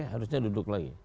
harusnya duduk lagi